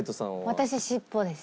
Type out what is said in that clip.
私尻尾です。